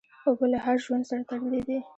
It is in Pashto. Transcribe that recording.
اوبه له هر ژوند سره تړلي دي.